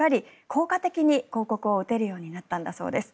効果的に広告を打てるようになったんだそうです。